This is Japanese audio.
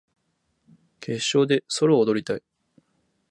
決勝でソロを踊りたい